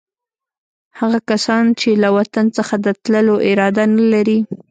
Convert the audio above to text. هغه کسان چې له وطن څخه د تللو اراده نه لري.